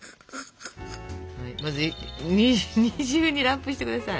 まず二重にラップして下さい。